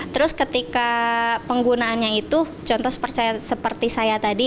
terus ketika penggunaannya itu contoh seperti saya tadi